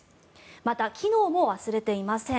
また、機能も忘れていません。